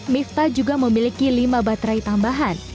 miftah juga memiliki lima baterai tambahan